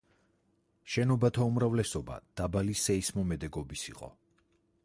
შენობათა უმრავლესობა დაბალი სეისმომედეგობის იყო.